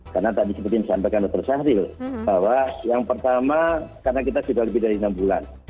karena tadi seperti yang disampaikan dr syahril bahwa yang pertama karena kita sudah lebih dari enam bulan